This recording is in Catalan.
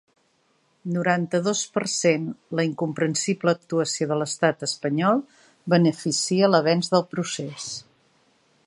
Noranta-dos per cent La incomprensible actuació de l’estat espanyol beneficia l’avenç del procés.